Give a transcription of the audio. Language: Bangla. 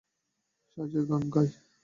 সাজিয়া গান গায়।